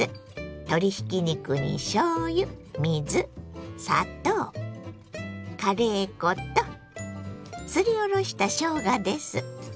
鶏ひき肉にしょうゆ水砂糖カレー粉とすりおろしたしょうがです。